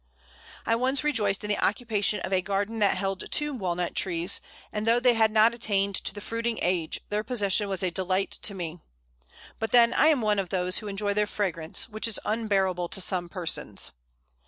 I once rejoiced in the occupation of a garden that held two Walnut trees, and though they had not attained to the fruiting age, their possession was a delight to me; but then I am one of those who enjoy their fragrance, which is unbearable to some persons.